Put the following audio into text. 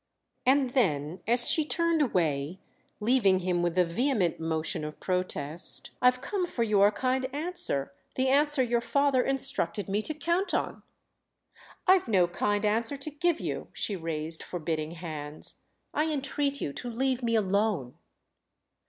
And then as she turned away, leaving him with a vehement motion of protest: "I've come for your kind answer—the answer your father instructed me to count on." "I've no kind answer to give you!"—she raised forbidding hands. "I entreat you to leave me alone."